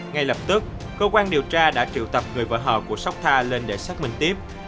ngay lập tức cơ quan điều tra đã triệu tập người vợ hợp của sotha lên để xác minh tiếp